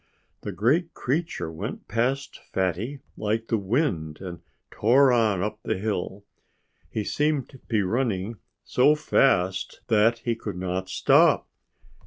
The great creature went past Fatty like the wind and tore on up the hill. He seemed to be running so fast that he could not stop.